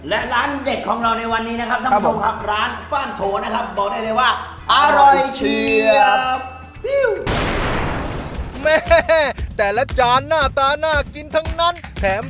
และร้านเด็ดของเราในวันนี้นะครับทั้งหมดครับร้านฟ่านโถนะครับ